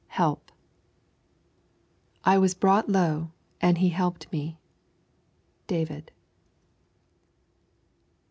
HELP 'I was brought low, and He helped me.' David.